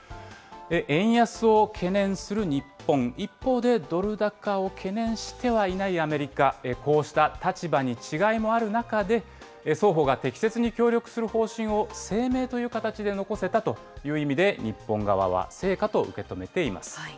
円安を懸念する日本、一方でドル高を懸念してはいないアメリカ、こうした立場に違いもある中で、双方が適切に協力する方針を声明という形で残せたという意味で、日本側は成果と受け止めています。